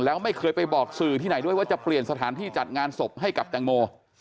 แล้วไม่เคยไปบอกสื่อที่ไหนด้วยว่าจะเปลี่ยนสถานที่จัดงานศพให้กับแตงโม